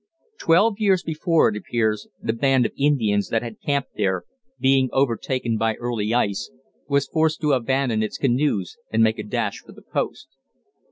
Twelve years before, it appears, the band of Indians that had camped there, being overtaken by early ice, was forced to abandon its canoes and make a dash for the Post.